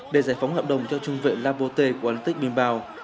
để giải phóng hợp đồng cho trung vệ lapote của atlantic bimbao